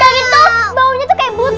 udah gitu baunya tuh kayak butet